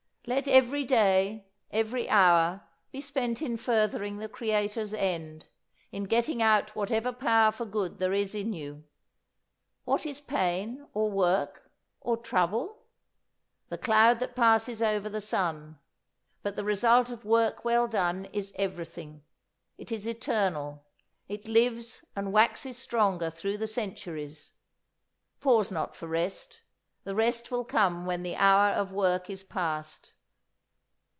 Let every day, every hour, be spent in furthering the Creator's end in getting out whatever power for good there is in you. What is pain, or work, or trouble? The cloud that passes over the sun. But the result of work well done is everything. It is eternal. It lives and waxes stronger through the centuries. Pause not for rest. The rest will come when the hour of work is past."